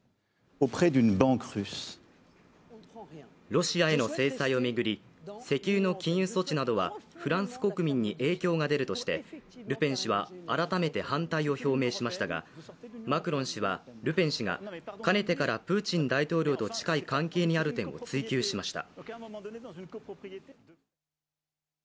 ロシアへの制裁を巡り、石油の禁輸措置などはフランス国民に影響が出るとしてルペン氏は改めて反対を表明しましたがマクロン氏は、ルペン氏がかねてからプーチン大統領と近い関係にある点を追及しました。